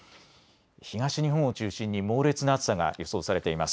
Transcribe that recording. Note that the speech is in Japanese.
東日本を中心に猛烈な暑さが予想されています。